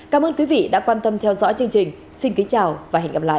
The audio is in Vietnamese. cảm ơn quý vị đã quan tâm theo dõi chương trình xin kính chào và hẹn gặp lại